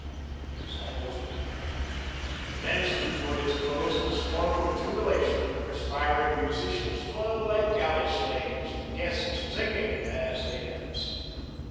It was almost midnight. The dance drew towards its close in a storm of jubilation. The perspiring musicians toiled like galley slaves; the guests singing as they danced.